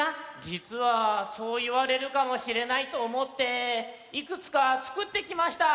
じつはそういわれるかもしれないとおもっていくつかつくってきました。